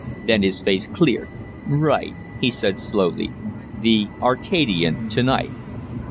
Then his face cleared. "Right!" he said, slowly. "'The Arcadian' tonight!"